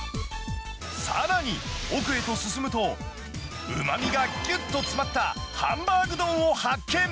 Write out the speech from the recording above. さらに奥へと進むと、うまみがぎゅっと詰まったハンバーグ丼を発見。